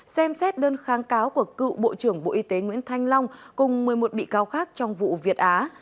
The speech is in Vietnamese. xem xét đơn kháng cáo của cựu bộ trưởng bộ y tế nguyễn thanh long cùng một mươi một bị cáo khác trong vụ việt á